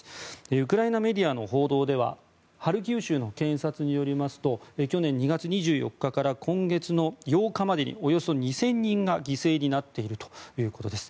ウクライナメディアの報道ではハルキウ州の検察によりますと去年２月２４日から今月の８日までにおよそ２０００人が犠牲になっているということです。